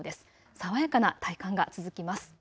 爽やかな体感が続きます。